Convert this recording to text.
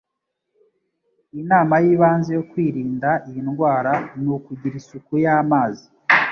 Inama y'ibanze yo kwirinda iyi ndwara ni ukugira isuku y'amazi